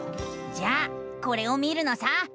じゃあこれを見るのさ！